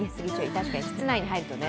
確かに室内に入るとね。